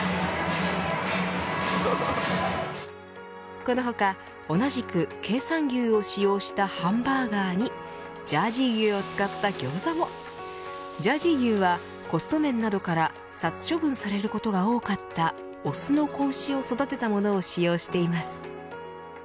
この他、同じく経産牛を使用したハンバーガーにジャージー牛を使ったギョーザもジャージー牛はコスト面などから殺処分されることが多かった雄の子牛を育てたものを使用しています。